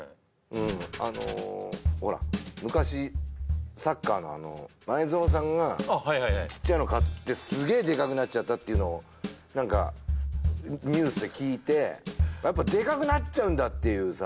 うんあのほら昔サッカーのあの前園さんがちっちゃいの飼ってあっはいはいはいすげえでかくなっちゃったっていうのを何かニュースで聞いてやっぱでかくなっちゃうんだっていうさ